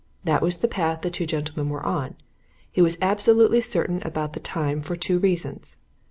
That was the path the two gentlemen were on. He was absolutely certain about the time, for two reasons.